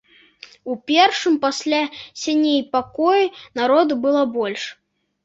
У першым пасля сяней пакоі народу было больш.